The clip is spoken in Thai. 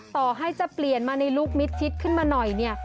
ต่อให้จะเปลี่ยนมาในลูกมิดชิดขึ้นมาหน่อยเนี่ย